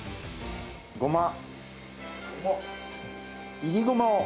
ごま。